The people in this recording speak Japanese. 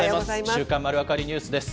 週刊まるわかりニュースです。